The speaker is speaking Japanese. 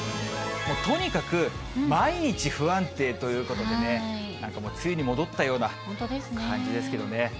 もうとにかく毎日不安定ということでね、なんかもう梅雨に戻ったような感じですけどね。